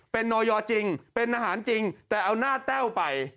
เป็นนอยจริงเป็นอาหารจริงแต่เอาหน้าแต้วไป